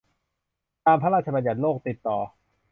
ตามพระราชบัญญัติโรคติดต่อ